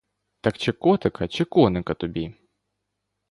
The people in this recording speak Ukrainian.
Так чи котика, чи коника тобі?